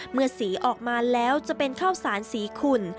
เมื่อสีออกมาแล้วจะเป็นข้าวสารสีขุ่น